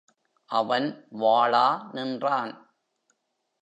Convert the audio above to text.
அவன் வாளா நின்றான்.